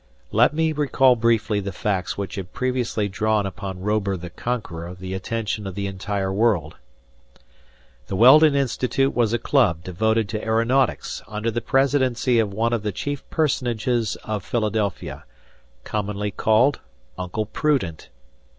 Let me recall briefly the facts which had previously drawn upon Robur the Conqueror the attention of the entire world. The Weldon Institute was a club devoted to aeronautics under the presidency of one of the chief personages of Philadelphia, commonly called Uncle Prudent.